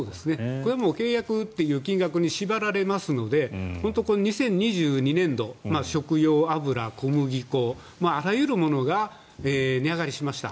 これは契約という金額に縛られますので２０２２年度は食用油、小麦粉あらゆるものが値上がりしました。